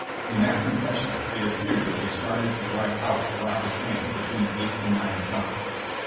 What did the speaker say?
In that confession, it appeared that they started to drive out to rob the train between 8 and 9 o'clock.